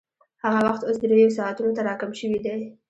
هغه وخت اوس درېیو ساعتونو ته راکم شوی دی